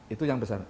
itu yang besar